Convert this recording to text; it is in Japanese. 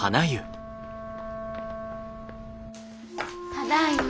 ただいま。